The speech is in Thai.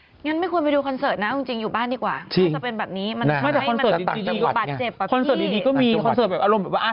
อย่างนั้นไม่ควรไปดูคอนเสิร์ตนะจริงอยู่บ้านดีกว่า